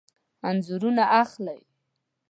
انځورونه اخلئ؟